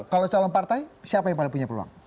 kalau calon partai siapa yang paling punya peluang